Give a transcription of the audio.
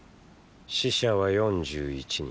死者は４１人。